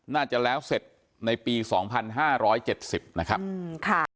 น่าจะแล้วเสร็จในปี๒๕๗๐นะครับ